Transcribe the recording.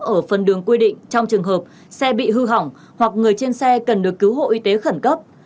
ở phần đường quy định trong trường hợp xe bị hư hỏng hoặc người trên xe cần được cứu hộ y tế khẩn cấp